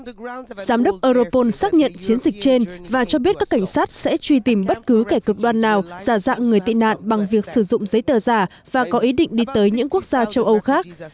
trong giám đốc europol xác nhận chiến dịch trên và cho biết các cảnh sát sẽ truy tìm bất cứ kẻ cực đoan nào giả dạng người tị nạn bằng việc sử dụng giấy tờ giả và có ý định đi tới những quốc gia châu âu khác